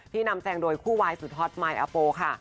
ที่นำแสงโดยคู่วายสุดฮอตไมค์อัปโปรค่ะ